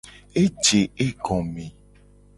Eje egome.